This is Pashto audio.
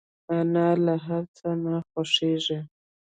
انا له هر څه نه خوښيږي